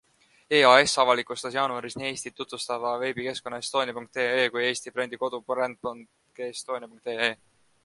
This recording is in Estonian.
EAS avalikustas jaanuaris nii Eestit tutvustava veebikeskkonna estonia.ee kui Eesti brändi kodu brand.estonia.ee.